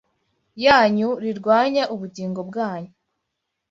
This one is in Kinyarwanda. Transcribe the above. yanyu rirwanya ubugingo bwanyu,